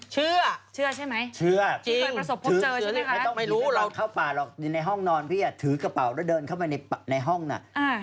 เชื่อเชื่อใช่ไหมเชื่อที่เคยประสบพบเจอใช่ไหมในห้องนอนพี่ถือกระเป๋าแล้วเดินเข้าไปในห้องน่ะ